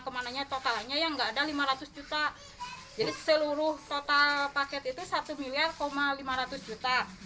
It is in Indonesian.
kemananya totalnya yang nggak ada lima ratus juta jadi seluruh total paket itu satu miliar lima ratus juta